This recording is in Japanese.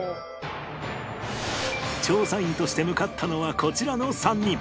調査員として向かったのはこちらの３人